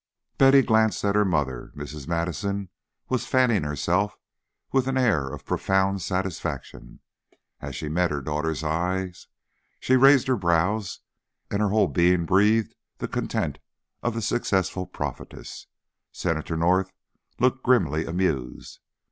Betty glanced at her mother. Mrs. Madison was fanning herself with an air of profound satisfaction. As she met her daughter's eyes, she raised her brows, and her whole being breathed the content of the successful prophetess. Senator North looked grimly amused.